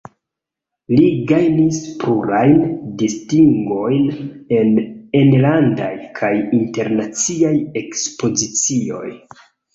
Li gajnis plurajn distingojn en enlandaj kaj internaciaj ekspozicioj.